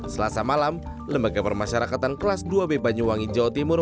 selasa malam lembaga permasyarakatan kelas dua b banyuwangi jawa timur